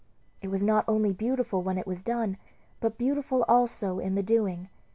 It was not only beautiful when it was done, but beautiful also in the doing.